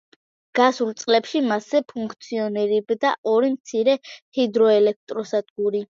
გასულ წლებში მასზე ფუნქციონირებდა ორი მცირე ჰიდროელექტროსადგური.